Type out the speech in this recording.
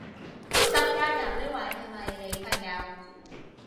新加入呢位係咪你朋友